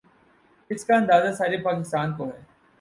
، اس کا اندازہ سارے پاکستان کو ہے۔